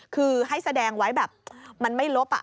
คือให้แสดงไว้แบบมันไม่ลบ